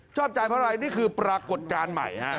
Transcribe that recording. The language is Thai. ชอบใจเพราะอะไรนี่คือปรากฏการณ์ใหม่ฮะ